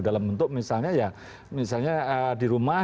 dalam bentuk misalnya ya misalnya di rumah